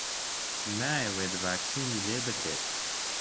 نایەوێت ڤاکسینی لێ بدرێت.